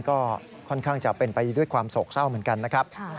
ก็ค่อนข้างจะเป็นไปด้วยความโศกเศร้าเหมือนกันนะครับ